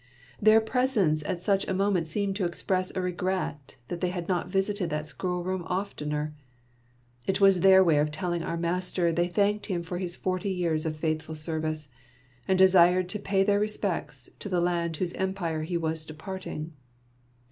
Their presence at such a moment seemed to express a regret that they had not visited that school room oftener ; it was their way of telling our master they thanked him for his forty years of faithful service, and desired to pay their respects to the land whose empire was departing.